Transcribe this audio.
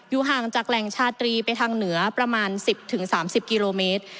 ห่างจากแหล่งชาตรีไปทางเหนือประมาณ๑๐๓๐กิโลเมตร